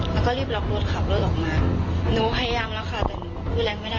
แล้วก็รีบล็อกรถขับรถออกมาหนูพยายามแล้วค่ะแต่หนูดูแลไม่ได้